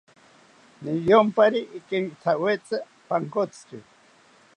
Riyompari ikenkithawetzi pankotziki